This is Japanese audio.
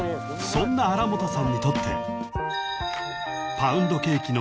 ［そんな新本さんにとって］